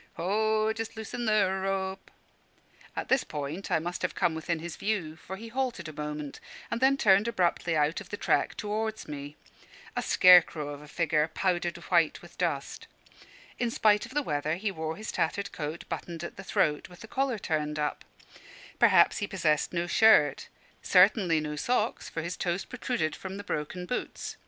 "Ho! just loosen the rope" At this point I must have come within his view, for he halted a moment, and then turned abruptly out of the track towards me, a scare crow of a figure, powdered white with dust. In spite of the weather, he wore his tattered coat buttoned at the throat, with the collar turned up. Probably he possessed no shirt; certainly no socks, for his toes protruded from the broken boots.